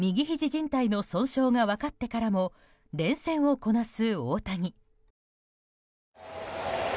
じん帯の損傷が分かってからも連戦をこなす大谷。